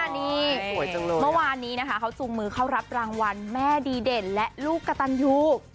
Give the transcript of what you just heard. นี่เมื่อวานนี้เขาจูงมือเข้ารับรางวัลแม่ดีเด่นและลูกกะตันยู